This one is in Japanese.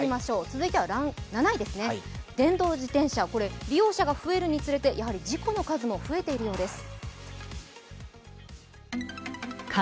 続いては７位、電動自転車、これ利用者が増えるにつれてやはり事故の数も増えているようです。